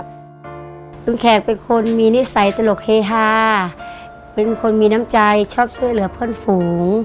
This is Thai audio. คุณแขกเป็นคนมีนิสัยตลกเฮฮาเป็นคนมีน้ำใจชอบช่วยเหลือเพื่อนฝูง